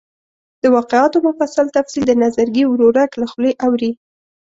د واقعاتو مفصل تفصیل د نظرګي ورورک له خولې اوري.